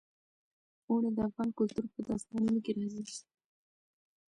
اوړي د افغان کلتور په داستانونو کې راځي.